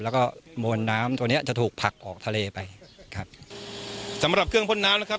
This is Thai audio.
แล้วก็มวลน้ำตัวเนี้ยจะถูกผลักออกทะเลไปครับสำหรับเครื่องพ่นน้ำนะครับ